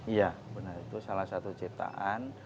iya benar itu salah satu ciptaan